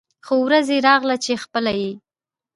خو ورځ يې راغله چې خپله یې